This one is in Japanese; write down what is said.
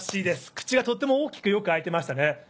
口がとても大きくよく開いてましたね。